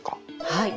はい。